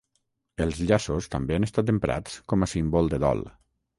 Els llaços també han estat emprats com a símbol de dol.